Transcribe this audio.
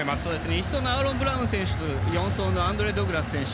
１走のアーロン・ブラウン選手４走のアンドレ・ドグラス選手。